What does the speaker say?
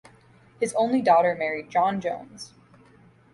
His only daughter married John Jones.